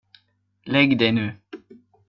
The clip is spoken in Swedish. Lägg dig nu.